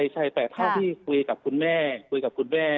ใช่แต่เท่าที่คุยกับคุณแม่คุยกับคุณแม่